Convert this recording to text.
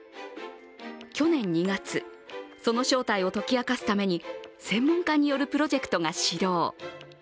去年２月、その正体を解き明かすために専門家によるプロジェクトが始動。